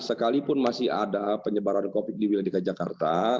sekalipun masih ada penyebaran covid di wilayah dki jakarta